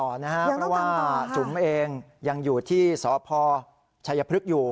เพราะว่าจุ๋มเองยังอยู่ที่สพชัยพฤกษ์อยู่